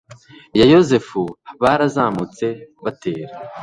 ya Yozefu h barazamutse batera